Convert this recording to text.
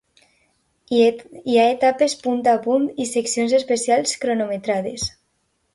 Hi ha etapes punt a punt i seccions especials cronometrades.